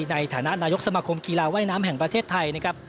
ในฐานะนายกสมาคมกีฬาว่ายน้ำแห่งประเทศไทยนะครับ